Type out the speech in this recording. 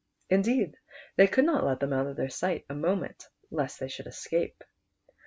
Indeed the}' could not let them out of their sight a moment lest they should escape.